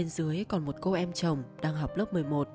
dưới còn một cô em chồng đang học lớp một mươi một